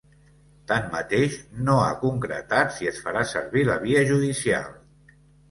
Tanmateix, no ha concretat si es farà servir la via judicial.